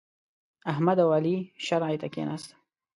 احمد او علي شرعې ته کېناستل.